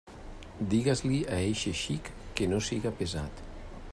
Digues-li a eixe xic que no siga pesat.